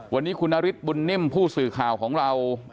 วันนี้คุณนฤทธิบุญนิ่มผู้สื่อข่าวของเรา